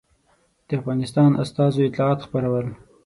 د افغانستان استازو اطلاعات خپرول.